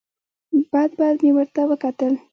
بد بد مې ورته وکتل.